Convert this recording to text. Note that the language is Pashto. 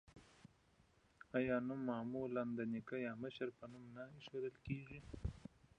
آیا نوم معمولا د نیکه یا مشر په نوم نه ایښودل کیږي؟